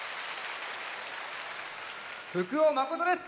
福尾誠です！